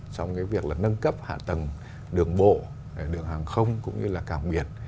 trong việc nâng cấp hạ tầng đường bộ đường hàng không cũng như là cảng biển